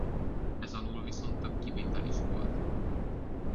Ez alól viszont több kivétel is volt.